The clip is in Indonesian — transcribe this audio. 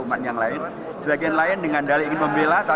islam yang membuat berakurah kerahmatan